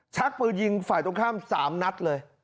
ชักปืนยิงฝ่ายตรงข้าม๓นัดเลย